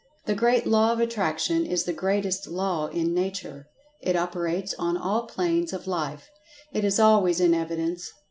This great Law of Attraction is the greatest Law in Nature. It operates on all planes of life. It is always in evidence.